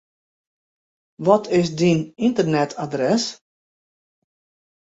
Wat is dyn ynternetadres?